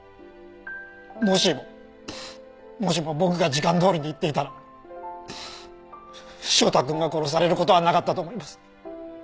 もしももしも僕が時間どおりに行っていたら汐田君が殺される事はなかったと思います。